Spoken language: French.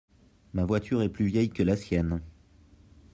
Ma voiture est plus vieille que la sienne.